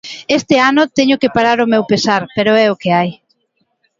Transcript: Este ano teño que parar ao meu pesar, pero é o que hai.